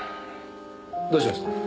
どうしました？